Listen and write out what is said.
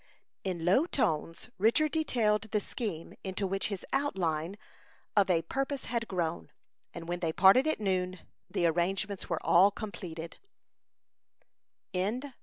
In low tones, Richard detailed the scheme into which his outline of a purpose had grown, and when they parted at noon, the arrangements were all completed.